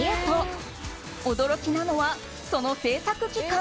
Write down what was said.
驚きなのは、その制作期間。